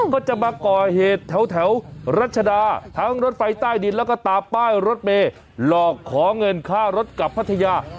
ก็จะมาก่อเหตุแถวรัชดาทั้งรถไฟใต้ดินแล้วก็ตาป้ายรถเมย์หลอกขอเงินค่ารถกลับพัทยา